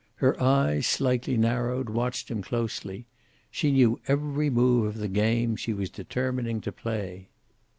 Her eyes, slightly narrowed, watched him closely. She knew every move of the game she was determining to play.